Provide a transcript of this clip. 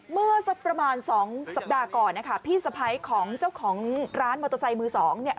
เมื่อสักประมาณสองสัปดาห์ก่อนนะคะพี่สะพ้ายของเจ้าของร้านมอเตอร์ไซค์มือสองเนี่ย